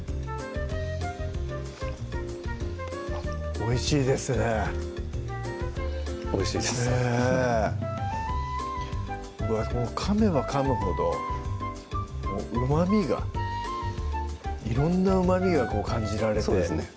おいしいですねおいしいですねぇかめばかむほどうまみが色んなうまみが感じられてそうですね